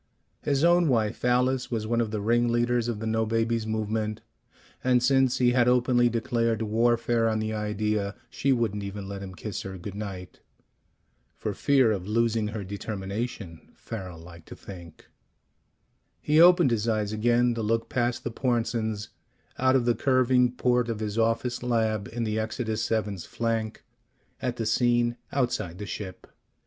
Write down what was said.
His own wife, Alice, was one of the ringleaders of the "no babies" movement, and since he had openly declared warfare on the idea, she wouldn't even let him kiss her good night. (For fear of losing her determination, Farrel liked to think.) He opened his eyes again to look past the Pornsens, out of the curving port of his office lab in the Exodus VII's flank, at the scene outside the ship.